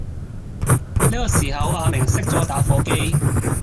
這時候阿明將火機熄滅